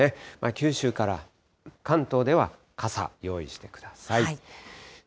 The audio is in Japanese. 九州から関東では傘用意してください。